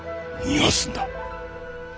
逃がすんだ！